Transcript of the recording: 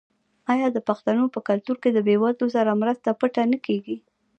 آیا د پښتنو په کلتور کې د بې وزلو سره مرسته پټه نه کیږي؟